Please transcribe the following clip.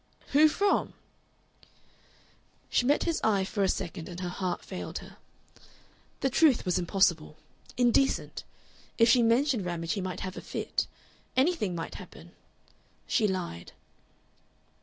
"Who from?" She met his eye for a second and her heart failed her. The truth was impossible, indecent. If she mentioned Ramage he might have a fit anything might happen. She lied.